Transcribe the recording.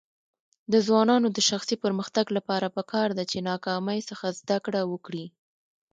د ځوانانو د شخصي پرمختګ لپاره پکار ده چې ناکامۍ څخه زده کړه وکړي.